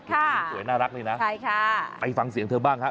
ค่ะใช่ค่ะไปฟังเสียงเธอบ้างค่ะ